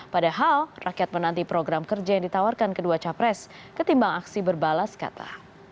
padahal rakyat menanti program kerja yang ditawarkan kedua capres ketimbang aksi berbalas kata